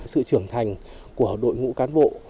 sự trưởng thành của đội ngũ cán bộ